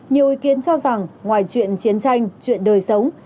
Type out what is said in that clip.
nhiều ý kiến cho rằng ngoài chuyện chiến tranh chuyện đời sống